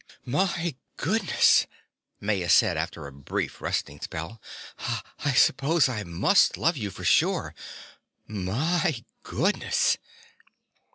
"My goodness," Maya said after a brief resting spell. "I suppose I must love you for sure. My _good_ness!"